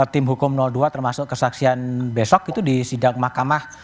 tim hukum dua termasuk kesaksian besok itu di sidang mahkamah